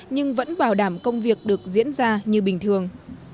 nhưng vẫn bảo đảm công việc được diễn ra như bình thường